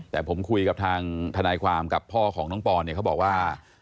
แต่ผมคุยกับทางทนายความกับพ่อของน้องปอนเนี่ยเขาบอกว่า